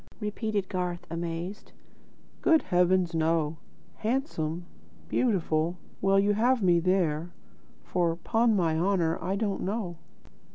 repeated Garth, amazed: "Good heavens, no! Handsome? Beautiful? Well you have me there, for, 'pon my honour, I don't know."